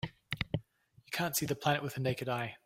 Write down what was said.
You can't see the planet with the naked eye.